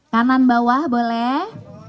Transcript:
kanan bawah boleh